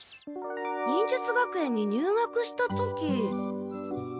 忍術学園に入学した時。